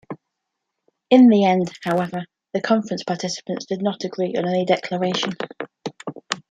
In the end, however, the conference participants did not agree on any declaration.